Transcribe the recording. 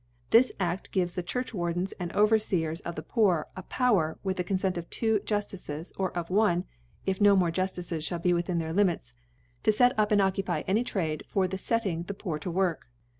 This Aft gives the Churchwardens and Overfeers of the Poor a Power, with thcConferit of two^ Juftices, or of one^ if no more Juftices fiiall be within their Limits^ to fet up and occupy aiiy Trade for the fetting the Popr to work.